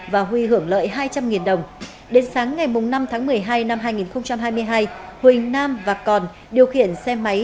và huy hưởng lợi hai trăm linh đồng đến sáng ngày năm tháng một mươi hai năm hai nghìn hai mươi hai huỳnh nam và còn điều khiển xe máy